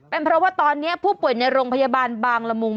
เป็นเพราะว่าตอนนี้ผู้ป่วยในโรงพยาบาลบางละมุง